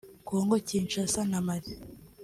Congo Kinshasa na Mali